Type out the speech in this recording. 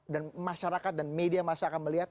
dan masyarakat dan media masa akan melihat